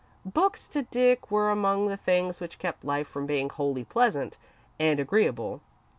Books, to Dick, were among the things which kept life from being wholly pleasant and agreeable.